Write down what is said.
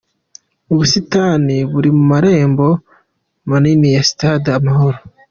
Ubusitani buri mu marembo manini ya Stade Amahoro.